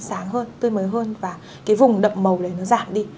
sáng hơn tươi mới hơn và cái vùng đậm màu này nó giảm đi